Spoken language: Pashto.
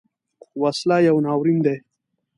وسله یو ناورین دی